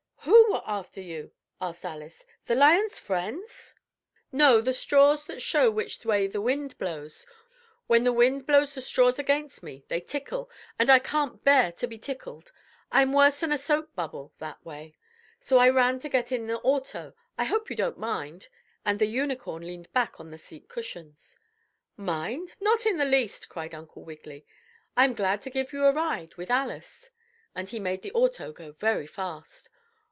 "Who were after you?" asked Alice. "The lion's friends?" "No, the straws that show which way the wind blows. When the wind blows the straws against me they tickle, and I can't bear to be tickled. I'm worse than a soap bubble that way. So I ran to get in the auto. I hope you don't mind," and the Unicorn leaned back on the seat cushions. "Mind? Not in the least!" cried Uncle Wiggily. "I'm glad to give you a ride with Alice," and he made the auto go very fast.